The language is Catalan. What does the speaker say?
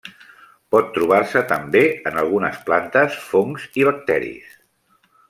Pot trobar-se també en algunes plantes, fongs i bacteris.